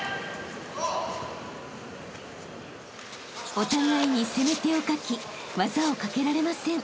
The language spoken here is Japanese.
［お互いに攻め手をかき技をかけられません］